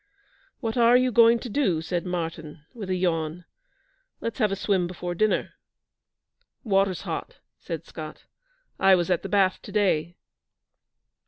'What are you going to do?' said Martyn, with a yawn. 'Let's have a swim before dinner.' 'Water's hot,' said Scott. 'I was at the bath to day.'